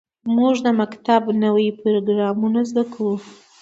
موږ د مکتب نوې پروګرامونه زده کوو.